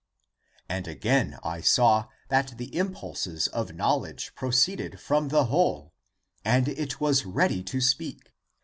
And again I saw That the impulses of knowledge proceeded from the whole And it was ready to speak.